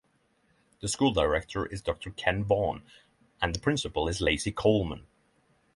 The school director is Doctor Ken Vaughn and the principal is Lacey Coleman.